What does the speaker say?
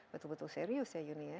betul betul serius ya yuni ya